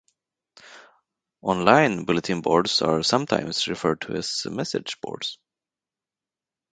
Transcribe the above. Online bulletin boards are sometimes referred to as message boards.